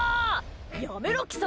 やめろ貴様！